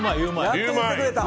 やっと言ってくれた。